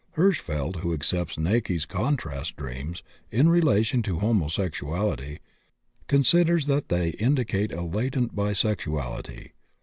Hirschfeld, who accepts Näcke's "contrast dreams" in relation to homosexuality, considers that they indicate a latent bisexuality.